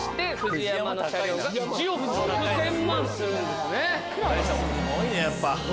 すごいねやっぱ。